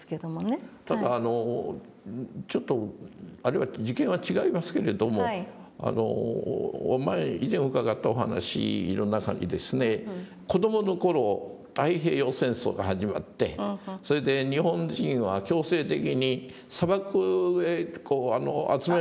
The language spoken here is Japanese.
ただちょっと次元は違いますけれども以前伺ったお話の中にですね子どもの頃太平洋戦争が始まってそれで日本人は強制的に砂漠へ集められて。